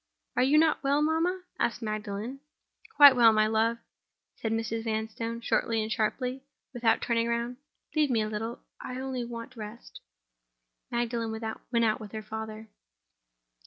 "Are you not well, mamma?" asked Magdalen. "Quite well, my love," said Mrs. Vanstone, shortly and sharply, without turning round. "Leave me a little—I only want rest." Magdalen went out with her father.